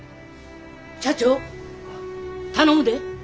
社長頼むで。